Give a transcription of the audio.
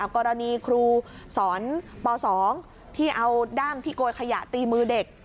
กรณีครูสอนป๒ที่เอาด้ามที่โกยขยะตีมือเด็ก